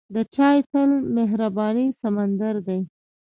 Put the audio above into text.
د چای تل د مهربانۍ سمندر دی.